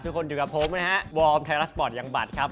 คนอยู่กับผมนะฮะวอร์มไทยรัฐสปอร์ตยังบัตรครับ